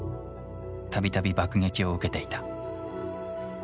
度々爆撃を受けていた。